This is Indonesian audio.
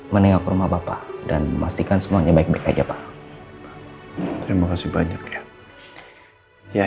menengok rumah bapak dan memastikan semuanya baik baik saja pak terima kasih banyak ya